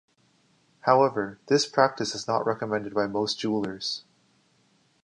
However, this practice is not recommended by most jewelers.